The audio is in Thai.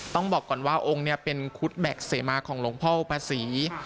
ต้องบอกก่อนว่าองค์เป็นครุฏแบกเสมาของหลวงพ่อโอภาษี